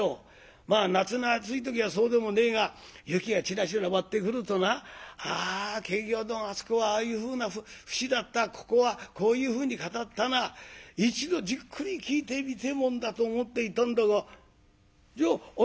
まあ夏の暑い時はそうでもねえが雪がちらちら舞ってくるとなあ検校どんあそこはああいうふうな節だったここはこういうふうに語ったな一度じっくり聞いてみてえもんだと思っていたんだがじゃあ